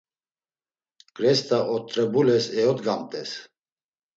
Grest̆a ot̆rebules eyodgamt̆es.